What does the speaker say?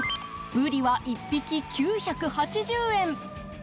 ブリは１匹９８０円。